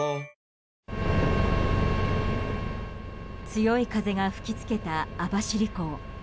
強い風が吹きつけた網走港。